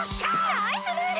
ナイスムール！